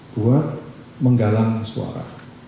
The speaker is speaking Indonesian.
buat menggalang suara